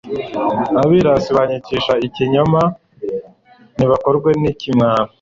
Abirasi banyicisha ibinyoma nibakorwe n’ikimwaro